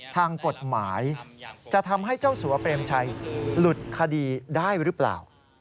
ทางกฎหมายจะทำให้เจ้าสัวเปรมชัยหลุดคดีได้หรือเปล่า